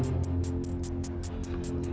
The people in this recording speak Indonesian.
kalau kamu tetep disini